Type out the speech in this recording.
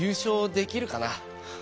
「できるかな？」